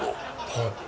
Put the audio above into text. はい。